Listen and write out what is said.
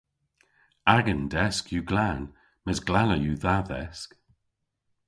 Agan desk yw glan mes glanna yw dha dhesk.